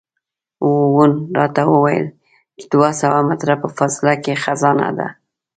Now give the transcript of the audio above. وون راته وویل چې دوه سوه مترو په فاصله کې خزانه ده.